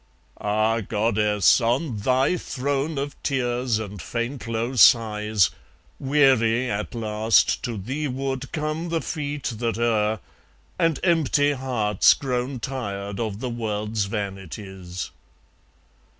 Ah, goddess, on thy throne of tears and faint low sighs, Weary at last to theeward come the feet that err, And empty hearts grown tired of the world's vanities.